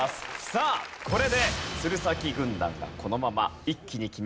さあこれで鶴崎軍団がこのまま一気に決めてしまうのか？